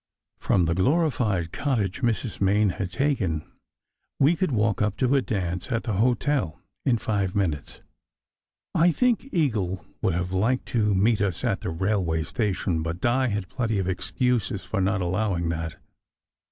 From the glorified cottage Mrs. Main had taken we could walk up to a dance at the hotel in five minutes. I think Eagle would have liked to meet us at the railway station, but Di had plenty of excuses for not allowing that.